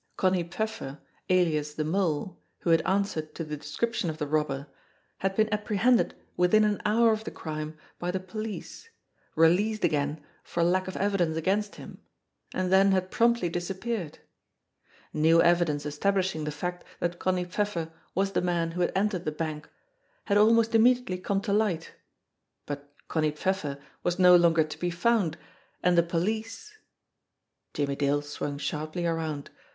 Connie Pfeffer, alias the Mole, who had answered to the description of the robber, had been apprehended within an hour of the crime by the police, released again for lack of evidence against him and then had promptly disappeared. New evidence establishing the fact that Connie Pfeffer was the man who had entered the bank had almost immediately come to light, but Connie Pfeffer was no longer to be found, and the police Jimmie Dale swung sharply around.